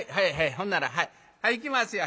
ほんならはいいきますよ。